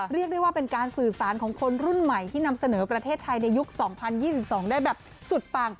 เรียกได้ว่าเป็นการสื่อสารของคนรุ่นใหม่ที่นำเสนอประเทศไทยในยุค๒๐๒๒ได้แบบสุดปัง